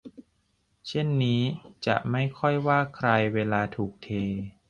เช่นนี่จะไม่ค่อยว่าใครเวลาถูกเท